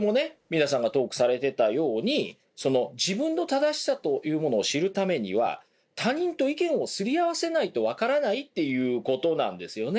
皆さんがトークされてたように自分の正しさというものを知るためには他人と意見をすり合わせないと分からないっていうことなんですよね。